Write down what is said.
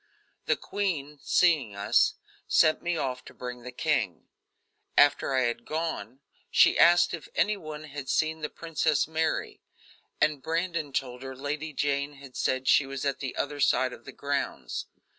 The queen, seeing us, sent me off to bring the king. After I had gone, she asked if any one had seen the Princess Mary, and Brandon told her Lady Jane had said she was at the other side of the grounds.